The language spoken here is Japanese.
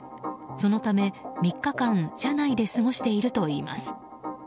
そのため３日間車内で過ごしているといいます。